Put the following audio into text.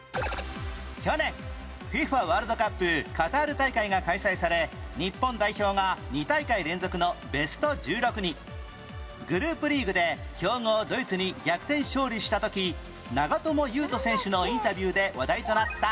去年 ＦＩＦＡ ワールドカップカタール大会が開催されグループリーグで強豪ドイツに逆転勝利した時長友佑都選手のインタビューで話題となったコメントは？